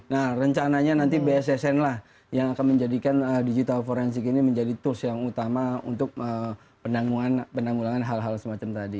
nah rencananya nanti bssn lah yang akan menjadikan digital forensik ini menjadi tools yang utama untuk penanggulangan hal hal semacam tadi